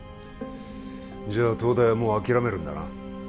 じゃ東大はもう諦めるんだな？